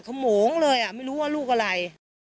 ขโมงเลยไม่รู้ว่าลูกอะไร